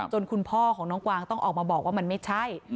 คุณพ่อของน้องกวางต้องออกมาบอกว่ามันไม่ใช่